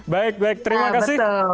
baik baik terima kasih